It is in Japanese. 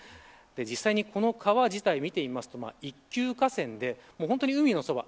実際にこの川を見てみますと一級河川で、本当に海のそば